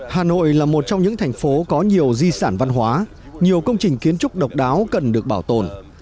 hà nội là một trong những thành phố có nhiều di sản văn hóa nhiều công trình kiến trúc độc đáo cần được bảo tồn